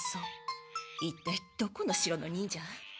いったいどこの城の忍者？